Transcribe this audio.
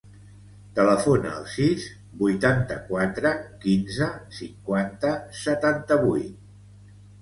Telefona al sis, vuitanta-quatre, quinze, cinquanta, setanta-vuit.